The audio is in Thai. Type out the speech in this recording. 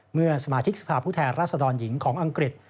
เมื่อสมาชิกสภาพผู้แทนราษฎรหญิงของอังกฤษ